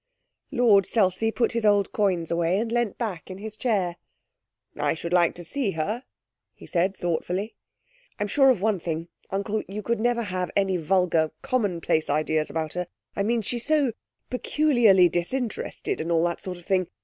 Lord Selsey put his old coins away, and leant back in his chair. 'I should like to see her,' he said thoughtfully. 'I'm sure of one thing, uncle you could never have any vulgar, commonplace ideas about her I mean, she's so peculiarly disinterested, and all that sort of thing.